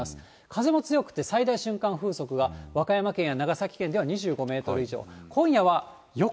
風も強くて、最大瞬間風速が、和歌山県や長崎県では２５メートル以上。